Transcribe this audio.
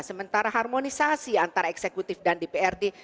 sementara harmonisasi antara eksekutif dan dprd